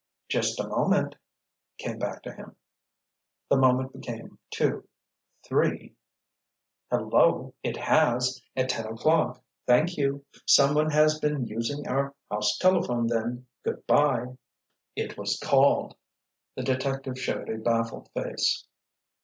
"Just a moment," came back to him. The moment became two—three—— "Hello! It has! At ten o'clock. Thank you. Someone has been using our house telephone, then. Goodbye!" "It was called!" the detective showed a baffled face.